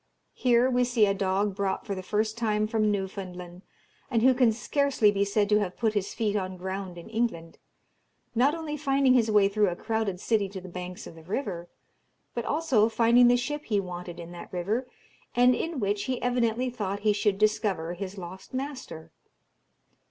Here we see a dog brought for the first time from Newfoundland, and who can scarcely be said to have put his feet on ground in England, not only finding his way through a crowded city to the banks of the river, but also finding the ship he wanted in that river, and in which he evidently thought he should discover his lost master.